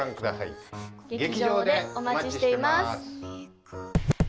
劇場でお待ちしています。